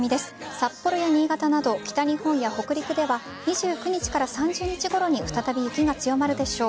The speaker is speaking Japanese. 札幌や新潟など北日本や北陸では２９日から３０日ごろに再び雪が強まるでしょう。